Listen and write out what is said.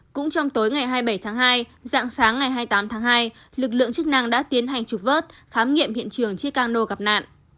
cũng trong tối ngày hai mươi bảy tháng hai dạng sáng ngày hai mươi tám tháng hai lực lượng chức năng đã tiến hành trục vớt khám nghiệm hiện trường chiếc cano gặp nạn